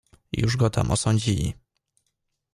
"Już go tam osądzili."